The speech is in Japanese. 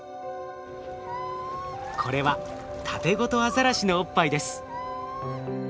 これはタテゴトアザラシのおっぱいです。